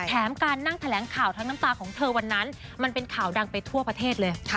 แถมการนั่งแถลงข่าวทั้งน้ำตาของเธอวันนั้นมันเป็นข่าวดังไปทั่วประเทศเลย